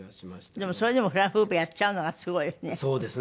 でもそれでもフラフープやっちゃうのがすごいわね。